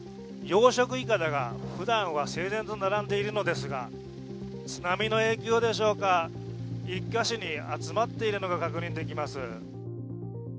養殖いかだが、ふだんは整然と並んでいるのですが、津波の影響でしょうか、１カ所に集まっているのが確認できます。